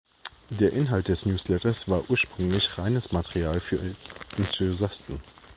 Der Inhalt des Newsletters war ursprünglich reines Material für Enthusiasten.